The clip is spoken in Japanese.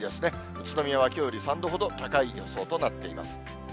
宇都宮はきょうより３度ほど高い予想となっています。